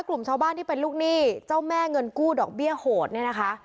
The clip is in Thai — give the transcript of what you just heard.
กลุ่มชาวบ้านที่เป็นลูกหนี้เจ้าแม่เงินกู้ดอกเบี้ยโหดเนี่ยนะคะ